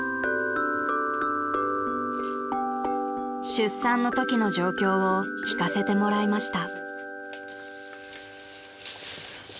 ［出産のときの状況を聞かせてもらいました］